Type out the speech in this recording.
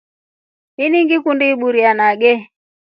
Ini ngikundi iburia nage.